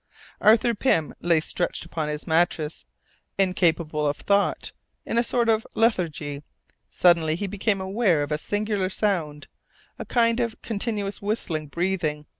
Arthur Pym lay stretched upon his mattress, incapable of thought, in a sort of lethargy; suddenly he became aware of a singular sound, a kind of continuous whistling breathing.